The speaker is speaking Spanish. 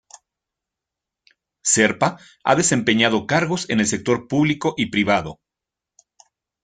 Serpa ha desempeñado cargos en el sector público y privado.